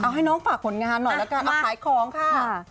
ให้น้องฝากผลงานหน่อยละกันเอาขายของค่ะ